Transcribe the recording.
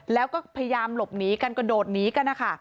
แล้วก็พยายามหลบหนีกันกระโดดหนีกันนะคะ